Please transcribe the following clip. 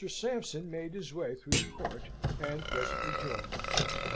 Sampson made his way through the court, and presently joined them.